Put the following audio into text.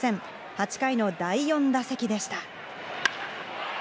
８回の第４打席でした。